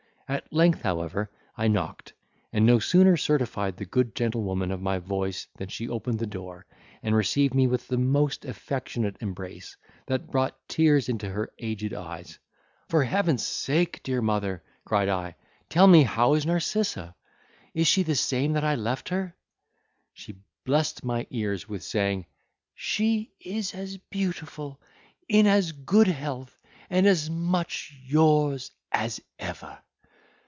At length, however, I knocked, and no sooner certified the good gentlewoman of my voice than she opened the door, and received me with the most affectionate embrace, that brought tears into her aged eyes: "For heaven's sake, dear mother," cried I, "tell me how is Narcissa? is she the same that I left her?" She blessed my ears with saying, "She is as beautiful, in as good health, and as much yours as ever."